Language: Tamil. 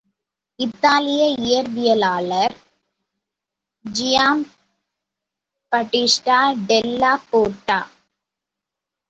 இத்தாலிய இயற்பியலார் ஜியாம்பட்டிஷ்டா டெல்லா போர்ட்டா.